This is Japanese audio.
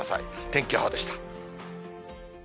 天気予報でした。